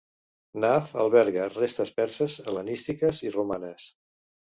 Nahf alberga restes perses, hel·lenístiques i romanes.